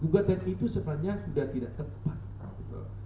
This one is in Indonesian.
gugatan itu sebenarnya sudah tidak tepat